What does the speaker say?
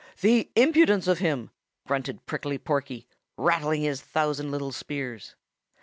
The impudence of him!" grunted Prickly Porky, rattling his thousand little spears.